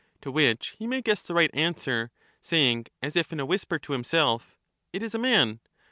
To which he may guess the right answer, saying as if in a whisper to himself—' It is a man.'